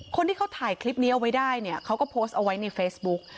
คนที่เขาถ่ายคลิปนี้เอาไว้ได้เนี่ยเขาก็โพสต์เอาไว้ในเฟซบุ๊ก